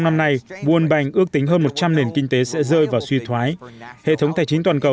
năm nay buôn bành ước tính hơn một trăm linh nền kinh tế sẽ rơi vào suy thoái hệ thống tài chính toàn cầu